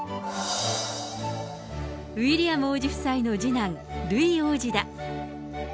ウィリアム王子夫妻の次男、ルイ王子だ。